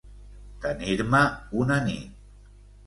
Tenir-me una nit.